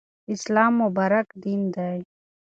اسلام مبارک دین دی.